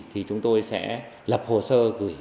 thì chúng tôi sẽ lập hồ sơ gửi